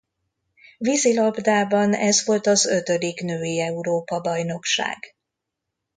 Vízilabdában ez volt az ötödik női Európa-bajnokság.